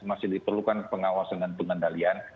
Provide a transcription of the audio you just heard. masih diperlukan pengawasan dan pengendalian